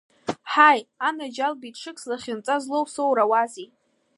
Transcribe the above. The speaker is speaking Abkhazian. Ҳаи, анаџьалбеит, ҽык слахьынҵа злоу соурауазеи!